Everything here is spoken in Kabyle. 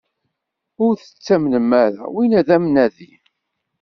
Ur t-ttamen ara, winna d abnadi!